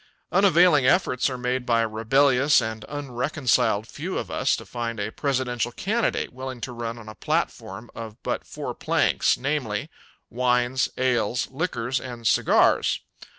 Unavailing efforts are made by a rebellious and unreconciled few of us to find a presidential candidate willing to run on a platform of but four planks, namely: Wines, ales, liquors and cigars.